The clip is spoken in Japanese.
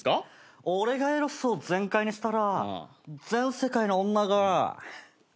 俺がエロスを全開にしたら全世界の女が。